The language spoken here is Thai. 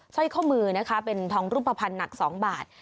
สร้อยข้อมือนะคะเป็นทองรูปภัณฑ์หนัก๒บาท